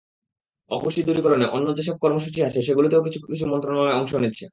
অপুষ্টি দূরীকরণে অন্য যেসব কর্মসূচি আছে সেগুলোতেও কিছু কিছু মন্ত্রণালয় অংশ নিচ্ছে।